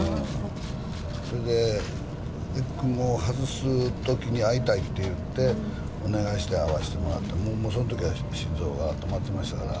それでＥＣＭＯを外すときに会いたいと言って、お願いして、会わせてもらって、もうそのときは心臓が止まってましたから。